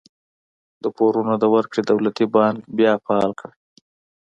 د پورونو د ورکړې دولتي بانک بیا فعال کړ.